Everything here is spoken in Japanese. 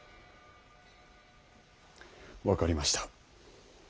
分かりました。